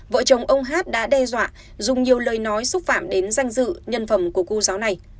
vợ chồng ông hát đã đe dọa dùng nhiều lời nói xúc phạm đến danh dự nhân phẩm của cô giáo này